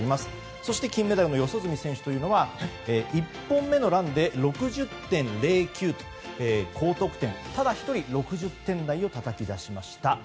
そして、金メダルの四十住選手は１本目のランで６０．０９と高得点をただ１人６０点台をたたき出しました。